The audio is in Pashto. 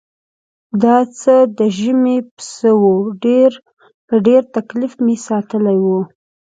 دا څه د ژمي پسه و په ډېر تکلیف ساتلی مې و.